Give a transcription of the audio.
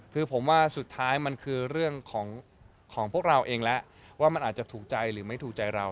คือผมว่าสุดท้ายมันคือเรื่องของพวกเราเองแล้วว่ามันอาจจะถูกใจหรือไม่ถูกใจเรา